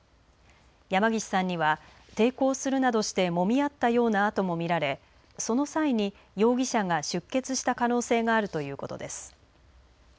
山岸さんには抵抗するなどしてもみ合ったような痕も見られその際に容疑者が出血した可能性があるということです。